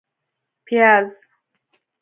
🧅 پیاز